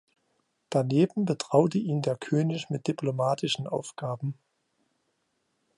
Daneben betraute ihn der König mit diplomatischen Aufgaben.